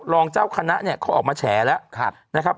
รองเจ้าคณะเขาออกมาแฉแล้ว